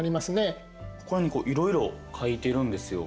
ここら辺にいろいろ書いてるんですよ。